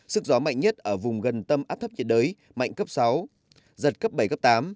sức gió mạnh nhất ở vùng gần tâm áp thấp nhiệt đới mạnh cấp sáu giật cấp bảy cấp tám